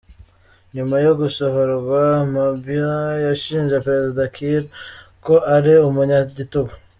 Nyuma yo gusohorwa, Mabior yashinje Perezida Kiir ko ari umunyagitugu.